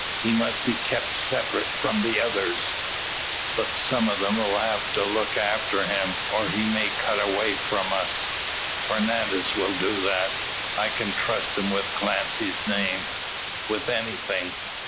He must be kep' separate from the others." "But some o' them 'll have to look after him, or he may cut away from us." "Fernandez will do that. I can trust him with Clancy's name, with anything.